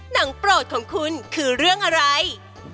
โปรดของคุณคือเรื่องอะไร